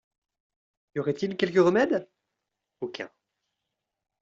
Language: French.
Y aurait-il quelque remède ? Aucun.